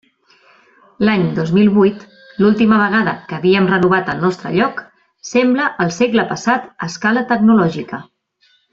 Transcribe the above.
L'any dos mil vuit, l'última vegada que havíem renovat el nostre lloc, sembla el segle passat a escala tecnològica.